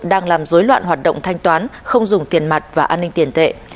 đang làm dối loạn hoạt động thanh toán không dùng tiền mặt và an ninh tiền tệ